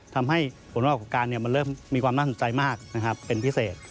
ทำให้ผลประกอบการมันเริ่มมีความน่าสนใจมากเป็นพิเศษ